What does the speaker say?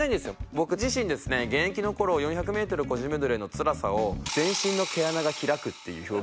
僕自身ですね現役の頃４００メートル個人メドレーのつらさを全身の毛穴が開くっていう表現を使ったんですけど。